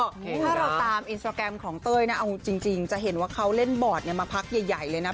ถ้าเราตามอินสตราแกรมของเต้ยนะเอาจริงจะเห็นว่าเขาเล่นบอร์ดมาพักใหญ่เลยนะ